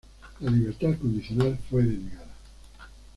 La libertad condicional fue denegada.